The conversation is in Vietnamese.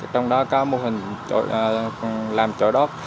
trong đó có mô hình làm trội đốt